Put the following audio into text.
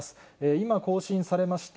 今更新されました。